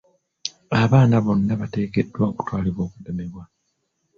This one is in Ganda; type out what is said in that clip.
Abaana bonna bateekeddwa okutwalibwa okugemebwa.